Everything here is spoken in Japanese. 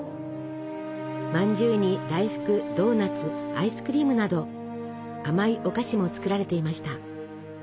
まんじゅうに大福ドーナツアイスクリームなど甘いお菓子も作られていました。